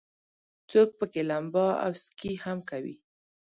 څوک پکې لمبا او سکي هم کوي.